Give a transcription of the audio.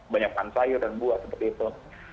banyakkan sayur dan buah seperti itu